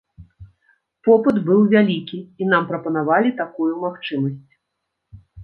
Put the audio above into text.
Попыт быў вялікі, і нам прапанавалі такую магчымасць.